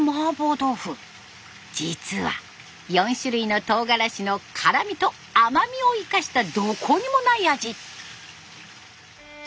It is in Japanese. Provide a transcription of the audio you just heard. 実は４種類の唐辛子の辛みと甘みを生かしたどこにもない味。